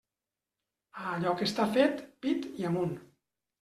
A allò que està fet, pit i amunt.